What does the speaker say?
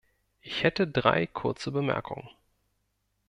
Ich hätte drei kurze Bemerkungen.